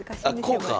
こうか！